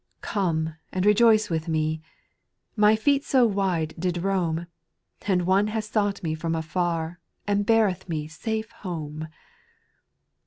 4. Come and rejoice with me I My feet so wide did roam, And One has sought me from afar, And bearetb me safe home.